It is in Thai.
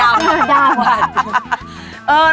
เอ้าตะวัน